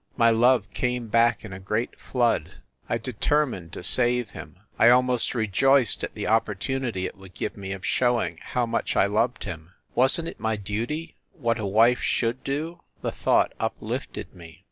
My love came back in a great flood. I determined to save him. I almost rejoiced at the opportunity it would give me of showing how much I loved him. Wasn t it my duty what a wife should do? The thought uplifted me.